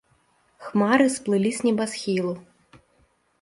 Хмары сплылі з небасхілу.